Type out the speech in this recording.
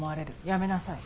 やめなさい。